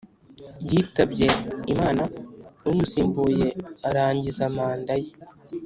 yitabye Imana umusimbuye arangiza manda ye